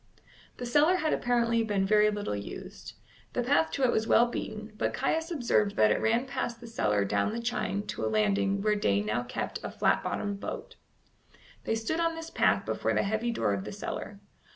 The cellar had apparently been very little used. The path to it was well beaten, but Caius observed that it ran past the cellar down the chine to a landing where Day now kept a flat bottomed boat. They stood on this path before the heavy door of the cellar.